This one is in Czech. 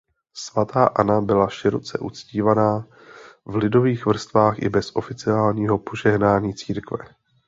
Svatá Anna byla široce uctívána v lidových vrstvách i bez oficiálního požehnání církve.